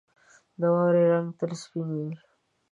• د واورې رنګ تل سپین وي.